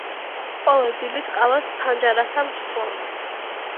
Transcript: ყოველ დილით ყავას ფანჯარასთან ვსვამ.